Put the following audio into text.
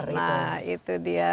nah itu dia